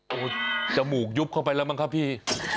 โอ้โหจมูกยุบเข้าไปแล้วมั้งครับพี่